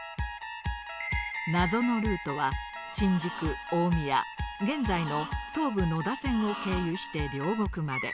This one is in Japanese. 謎のルートは新宿大宮現在の東武野田線を経由して両国まで。